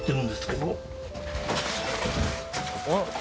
あっ！